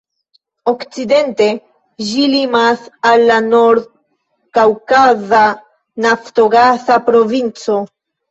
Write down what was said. Okcidente ĝi limas al la Nord-Kaŭkaza naftogasa provinco.